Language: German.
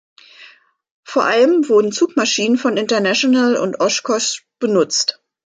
Vor allem wurden Zugmaschinen von International und Oshkosh benutzt.